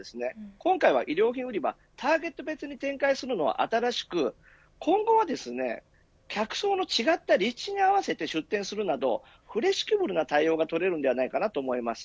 今回は衣料品売り場でターゲット別に展開するのは新しく今後は客層の違った立地に合わせて出店するなどフレキシブルな対応が取れると思います。